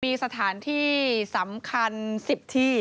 มีสถานที่สำคัญ๑๐ที่